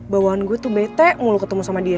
bawaan gue tuh bete mulu ketemu sama dia